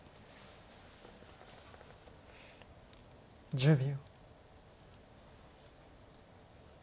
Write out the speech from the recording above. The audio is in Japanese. １０秒。